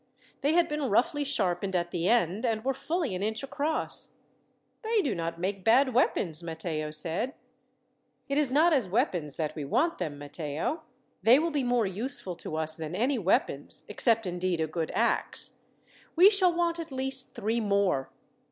They had been roughly sharpened at the end, and were fully an inch across. "They do not make bad weapons," Matteo said. "It is not as weapons that we want them, Matteo. They will be more useful to us than any weapons, except, indeed, a good axe. We shall want at least three more.